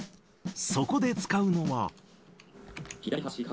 そこで使うのは。